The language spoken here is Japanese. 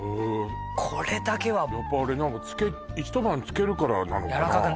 これだけはやっぱあれ何か一晩つけるからなのかな？